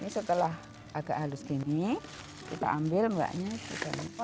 ini setelah agak halus gini kita ambil waknya ke dalam